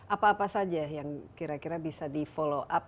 apa apa saja yang kira kira bisa di follow up